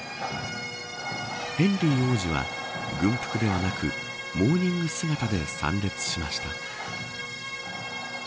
ヘンリー王子は、軍服ではなくモーニング姿で参列しました。